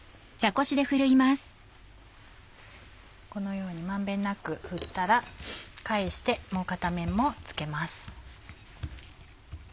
このように満遍なく振ったら返してもう片面も付けます。